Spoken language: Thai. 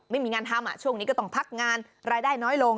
ไม่มีงานทำช่วงนี้ก็ต้องพักงานรายได้น้อยลง